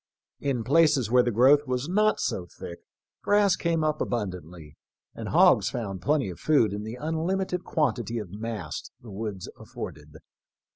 In places where the growth was not so thick grass came up abundantly, and hogs found plenty of food in the unlimited quantity of mast the woods afforded.